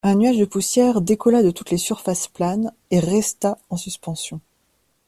Un nuage de poussière décolla de toutes les surfaces planes et resta en suspension.